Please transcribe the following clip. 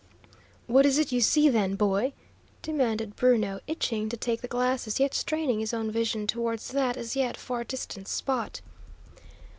"What is it you see, then, boy?" demanded Bruno, itching to take the glasses, yet straining his own vision towards that as yet far distant spot.